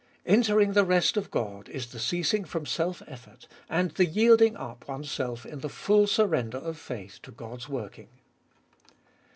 Entering the rest of God is the ceasing from self effort, and the yielding up one self in the full surrender of faith to God's working.